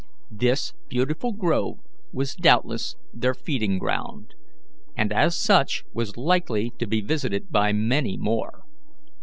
This beautiful grove was doubtless their feeding ground, and, as such, was likely to be visited by many more.